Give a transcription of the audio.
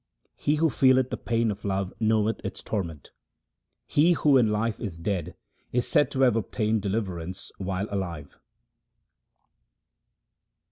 He who feeleth the pain of love knoweth its torment. He who in life is dead is said to have obtained deliver ance while alive.